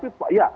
ada sesuatu ya